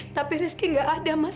tapi rizky gak ada mas